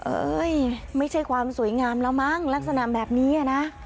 เอ้ยไม่ใช่ความสวยงามแล้วมั้งลักษณะแบบนี้นะ